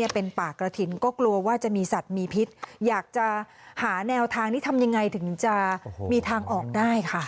อยากจะหาแนวทางนี้ทำยังไงถึงจะมีทางออกได้คะ